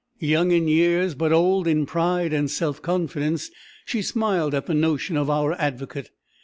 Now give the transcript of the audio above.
Young in years, but old in pride and self confidence, she smiled at the notion of our advocate.